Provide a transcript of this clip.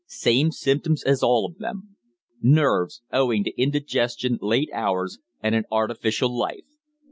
"Same symptoms as all of them. Nerves owing to indigestion, late hours, and an artificial life.